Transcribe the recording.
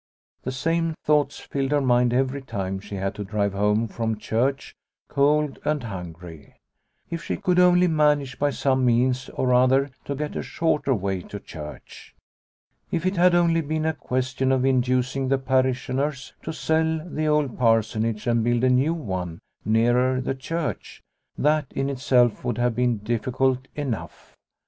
The same thoughts filled her mind every time she had to drive home from church cold and hungry. If she could only manage by some means or other to get a shorter way to church. If it had only been a question of inducing the parishioners to sell the old Parsonage and build a new one nearer the church, that in itself would have been difficult enough.